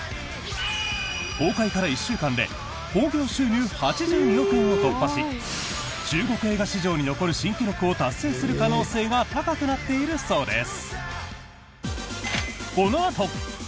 公開から１週間で興行収入８２億円を突破し中国映画史上に残る新記録を達成する可能性が高くなっているそうです。